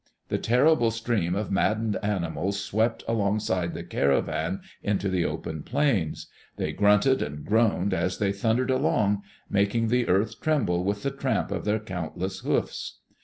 The terrible stream of maddened ani mals swept alongside the caravan into the open plains. Google ["5] Digitized by EARLY DAYS IN OLD OREGON They grunted and groaned as they thundered along, making the earth tremble with the tramp of their countless hoofs.